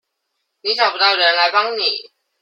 你找不到人來幫你